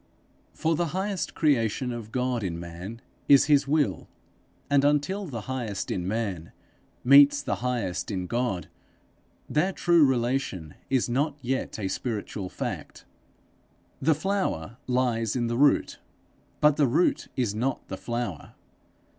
For the highest creation of God in man is his will, and until the highest in man meets the highest in God, their true relation is not yet a spiritual fact. The flower lies in the root, but the root is not the flower.